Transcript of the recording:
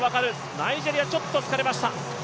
ナイジェリア、ちょっと疲れました